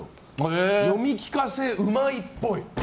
読み聞かせがうまいっぽい。